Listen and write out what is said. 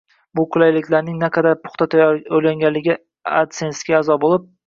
bu qulayliklarning naqadar puxta o’ylanganligiga adsensega a’zo bo’lib